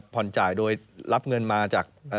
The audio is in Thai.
ผ่อนจ่ายโดยรับเงินมาจาก